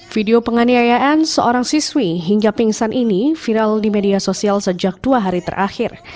video penganiayaan seorang siswi hingga pingsan ini viral di media sosial sejak dua hari terakhir